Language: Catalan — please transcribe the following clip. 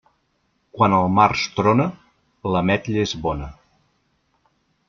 Quan al març trona, l'ametlla és bona.